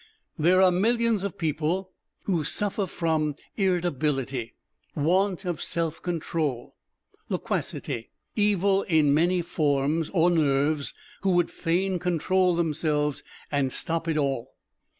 There are millions of people who suffer from irritability, want of self control, loquacity, evil in many forms, or nerves, who would fain control themselves and stop it all.